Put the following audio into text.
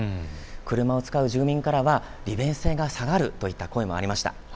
車を使う住民からは利便性が下がるといった声もありました。